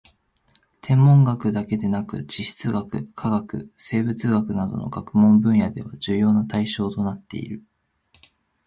天文学だけでなく地質学・化学・生物学などの学問分野では重要な対象となっている